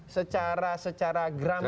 secara secara gramatikal